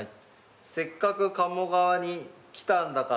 「せっかく鴨川に来たんだから」